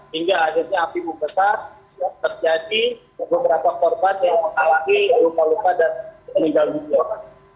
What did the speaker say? hingga akhirnya api membesar terjadi beberapa korban yang mengalami lupa lupa dan meninggal hujan